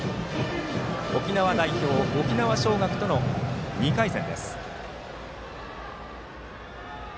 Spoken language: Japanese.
沖縄代表、沖縄尚学との２回戦。